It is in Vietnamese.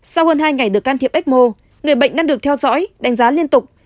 sau hơn hai ngày được can thiệp ecmo người bệnh đang được theo dõi đánh giá liên tục